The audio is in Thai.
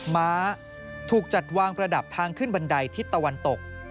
ม้าถูกจัดวางประดับทางขึ้นบันไดทิศตะวันตก